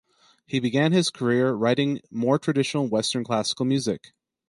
He began his career writing more traditional Western classical music.